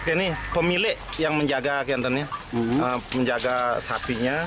ini pemilik yang menjaga sapinya